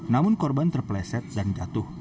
namun korban terpleset dan jatuh